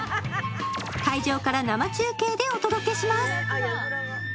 会場から生中継でお届けします。